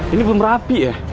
ini belum rapi ya